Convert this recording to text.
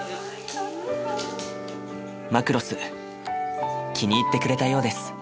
マクロス気に入ってくれたようです。